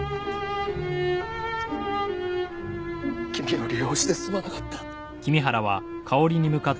君を利用してすまなかった。